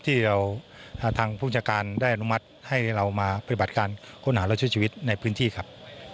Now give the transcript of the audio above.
ที่เราทางภูมิชาการได้อนุมัติให้เรามาปฏิบัติการค้นหาและช่วยชีวิตในพื้นที่ครับ